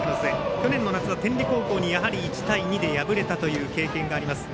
去年の夏は天理高校に１対２で敗れたという経験があります。